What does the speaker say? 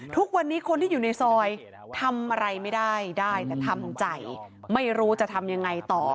ทุกวันนี้คนที่อยู่ในซอยทำอะไรไม่ได้ได้แต่ทำใจไม่รู้จะทำยังไงต่อ